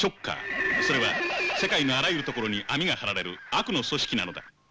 それは世界のあらゆるところに網が張られる悪の組織なのだ。